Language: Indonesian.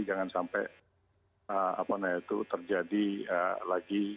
jadi jangan sampai apa namanya itu terjadi lagi